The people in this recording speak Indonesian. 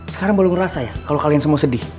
sekarang boleh ngerasa ya kalau kalian semua sedih